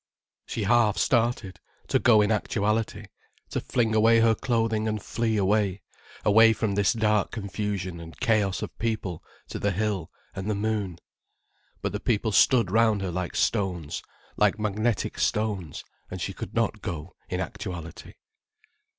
She half started, to go in actuality, to fling away her clothing and flee away, away from this dark confusion and chaos of people to the hill and the moon. But the people stood round her like stones, like magnetic stones, and she could not go, in actuality.